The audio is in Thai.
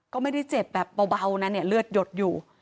เขาไม่ได้เจ็บแบบเบานะเหลือดหยดอยู่